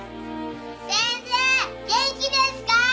先生元気ですか？